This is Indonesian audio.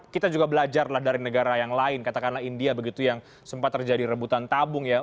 kita juga belajar lah dari negara yang lain katakanlah india begitu yang sempat terjadi rebutan tabung ya